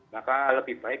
maka lebih baik